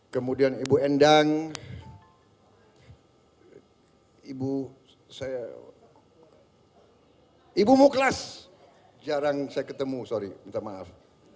kemudian ibu endang ibu muklas jarang saya ketemu sorry minta maaf